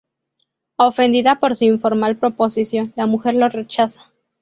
Ofendida por su informal proposición, la mujer lo rechaza.